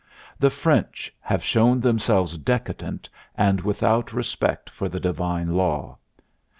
The French have shown themselves decadent and without respect for the Divine law.